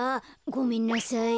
ごめんなさい。